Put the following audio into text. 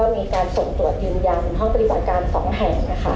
มีการส่งตรวจยืมยัมพริบัตรการสองแห่ง